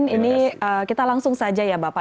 ini kita langsung saja ya bapak